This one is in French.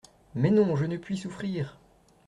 Mais non… je ne puis souffrir…